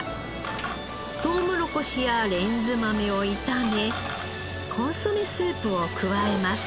トウモロコシやレンズ豆を炒めコンソメスープを加えます。